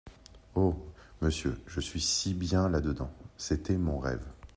Oh ! monsieur, je suis si bien là-dedans ! c’était mon rêve.